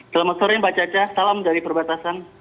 selamat sore mbak caca salam dari perbatasan